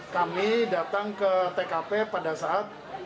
kami datang ke tkp pada saat